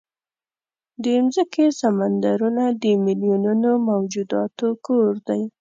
د مځکې سمندرونه د میلیونونو موجوداتو کور دی.